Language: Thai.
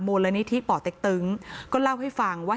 มูลนิธิป่อเต็กตึงก็เล่าให้ฟังว่า